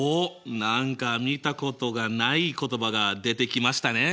何か見たことがない言葉が出てきましたねえ。